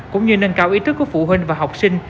cũng như nâng cao ý thức của phụ huynh và học sinh